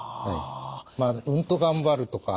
うんと頑張るとか